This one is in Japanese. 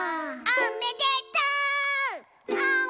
「おめでとう！」